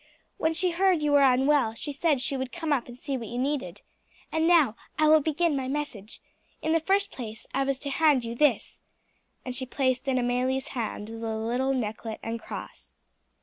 When she heard you were unwell she said she would come up and see what you needed. And now, I will begin my message. In the first place I was to hand you this." And she placed in Amelie's hand the little necklet and cross.